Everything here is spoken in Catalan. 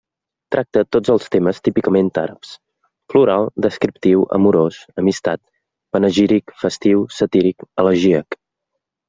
Tracta tots els temes típicament àrabs: floral, descriptiu, amorós, amistat, panegíric, festiu, satíric, elegíac.